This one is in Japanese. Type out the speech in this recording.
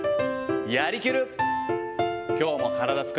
やりきる。